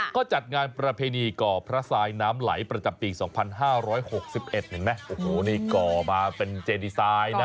ก็จัดงานประเพณีก่อพระทรายน้ำไหลประจำปี๒๕๖๑เห็นไหมโอ้โหนี่ก่อมาเป็นเจดีไซน์นะ